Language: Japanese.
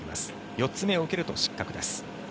４つ目を受けると失格です。